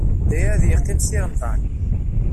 Dagi ar ad iqqim Si Remḍan.